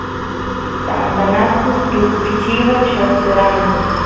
tantanakus tukus chivas lloqseranku